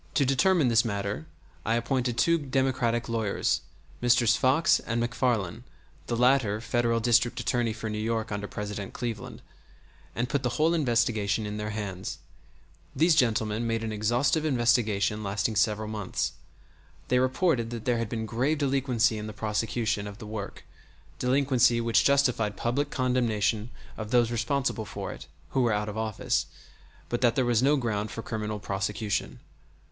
To determine this matter I appointed two Democratic lawyers, Messrs. Fox and MacFarlane (the latter Federal District Attorney for New York under President Cleveland), and put the whole investigation in their hands. These gentlemen made an exhaustive investigation lasting several months. They reported that there had been grave delinquency in the prosecution of the work, delinquency which justified public condemnation of those responsible for it (who were out of office), but that there was no ground for criminal prosecution.